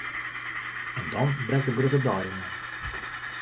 En dan brekt de grutte dei oan!